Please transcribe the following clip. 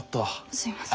すいません。